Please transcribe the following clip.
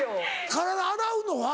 体洗うのは？